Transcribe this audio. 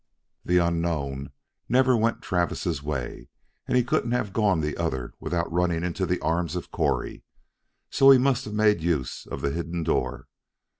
The unknown never went Travis' way, and he couldn't have gone the other without running into the arms of Correy; so he must have made use of the hidden door.